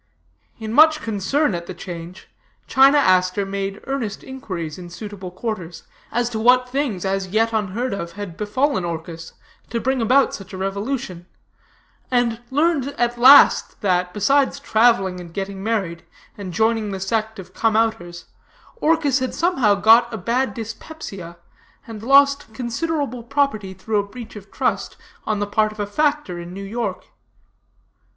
"In much concern at the change, China Aster made earnest inquiries in suitable quarters, as to what things, as yet unheard of, had befallen Orchis, to bring about such a revolution; and learned at last that, besides traveling, and getting married, and joining the sect of Come Outers, Orchis had somehow got a bad dyspepsia, and lost considerable property through a breach of trust on the part of a factor in New York.